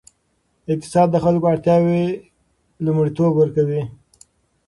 اقتصاد د خلکو اړتیاوې لومړیتوب ورکوي.